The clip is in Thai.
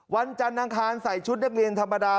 วันจันทร์อังคารใส่ชุดนักเรียนธรรมดา